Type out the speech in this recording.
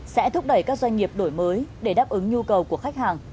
sẽ thúc đẩy các doanh nghiệp đổi mới để đáp ứng nhu cầu của khách hàng